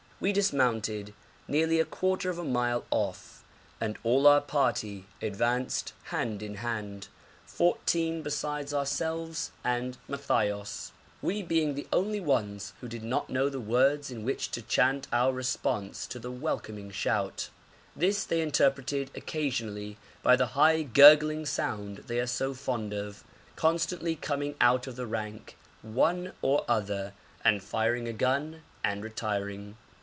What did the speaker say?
We dismounted, nearly a quarter of a mile off, and all our party advanced hand in hand, fourteen besides ourselves and Matthaios, we being the only ones who did not know the words in which to chant our response to the welcoming shout. This they interrupted occasionally by the high gurgling sound they are so fond of, constantly coming out of the rank, one or other, and firing a gun and retiring.